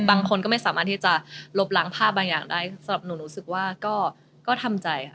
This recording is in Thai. บางคนก็ไม่สามารถที่จะลบล้างภาพบางอย่างได้สำหรับหนูรู้สึกว่าก็ทำใจค่ะ